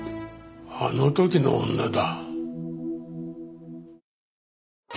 あの時の女だ。